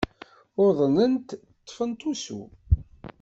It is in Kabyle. Uḍnent, ṭṭfent usu.